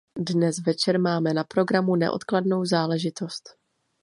Dnes večer máme na programu neodkladnou záležitost.